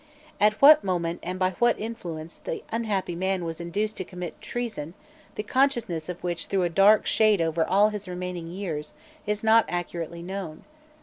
At what moment and by what influence, the unhappy man was induced to commit a treason, the consciousness of which threw a dark shade over all his remaining years, is not accurately known.